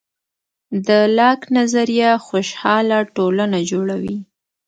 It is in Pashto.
د لاک نظریه خوشحاله ټولنه جوړوي.